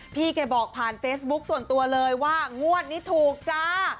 พี่แกบอกผ่านเฟซบุ๊คส่วนตัวเลยว่างวดนี้ถูกจ้า